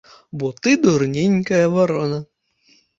Бо ты дурненькая варона!